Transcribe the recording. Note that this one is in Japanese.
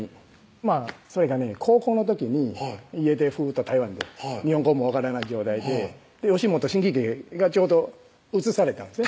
それがね高校の時に家でふっと台湾で日本語も分からない状態で吉本新喜劇がちょうど映されたんですね